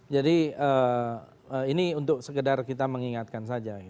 jadi ini untuk sekedar kita mengingatkan saja